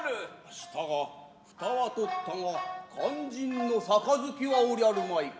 したが蓋は取ったが肝心の盃はおりゃるまいか。